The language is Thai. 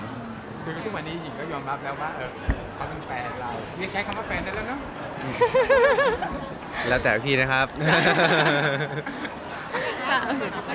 คือทุกวันนี้หญิงก็ยอมรับแล้วว่าเขาเป็นแฟนของเรา